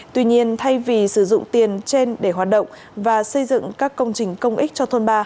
tuy nhiên thay vì sử dụng tiền trên để hoạt động và xây dựng các công trình công ích cho thôn ba